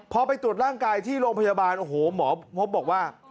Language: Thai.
พอไปตรวจร่างกายที่โรงพยาบาลโอ้โหหมอพบบอกว่า